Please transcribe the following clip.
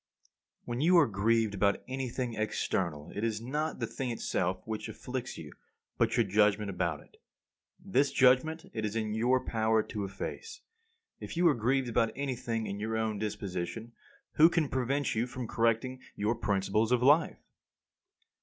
47. When you are grieved about anything external it is not the thing itself which afflicts you, but your judgment about it. This judgment it is in your power to efface. If you are grieved about anything in your own disposition, who can prevent you from correcting your principles of life?